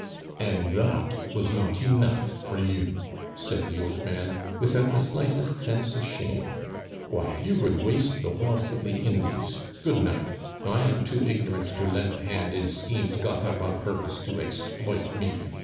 "And that was not enough for you," said the old man, without the slightest sense of shame; "why, you would waste the wealth of the Indies! Good night! I am too ignorant to lend a hand in schemes got up on purpose to exploit me.